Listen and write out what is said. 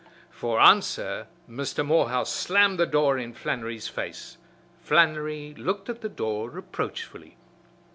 For answer Mr. Morehouse slammed the door in Flannery's face. Flannery looked at the door reproachfully.